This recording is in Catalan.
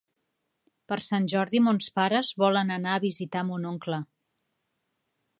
Per Sant Jordi mons pares volen anar a visitar mon oncle.